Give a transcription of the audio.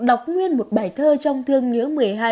đọc nguyên một bài thơ trong thương nhớ một mươi hai